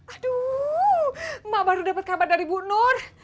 aduh mak baru dapat kabar dari bunur